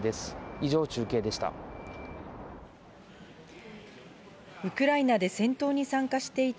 以上、中継でした。